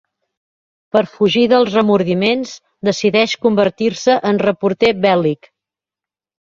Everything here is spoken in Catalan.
Per fugir dels remordiments, decideix convertir-se en reporter bèl·lic.